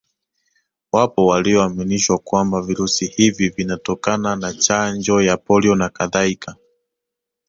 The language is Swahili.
Wapo walioaminishwa kwamba virusi hivi vinatokana na Chanjo ya polio na Kadhaika